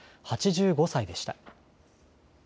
８５歳でした。